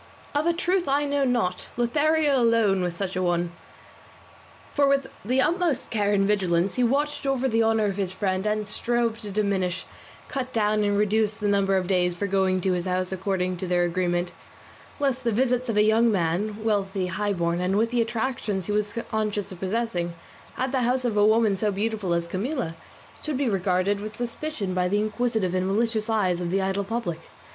Of a truth I know not; Lothario alone was such a one, for with the utmost care and vigilance he watched over the honour of his friend, and strove to diminish, cut down, and reduce the number of days for going to his house according to their agreement, lest the visits of a young man, wealthy, high born, and with the attractions he was conscious of possessing, at the house of a woman so beautiful as Camilla, should be regarded with suspicion by the inquisitive and malicious eyes of the idle public.